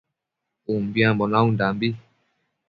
Umbiambo naundambi